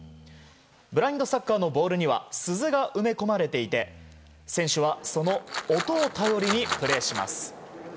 ブラインドサッカーのボールには鈴が埋め込まれていて選手はその音を頼りにプレーします。